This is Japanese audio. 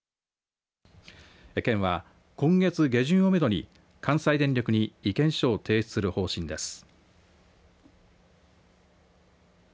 県は今月下旬をめどに関西電力に意見書を提出する方針です。